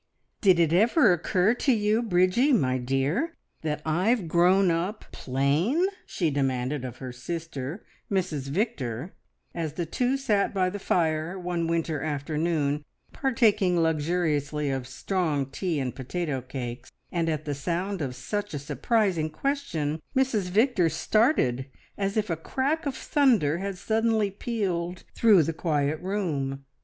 "Did it ever occur to you, Bridgie, my dear, that I've grown up plain?" she demanded of her sister, Mrs Victor, as the two sat by the fire one winter afternoon, partaking luxuriously of strong tea and potato cakes, and at the sound of such a surprising question Mrs Victor started as if a crack of thunder had suddenly pealed through the quiet room.